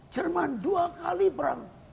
jerman dua kali perang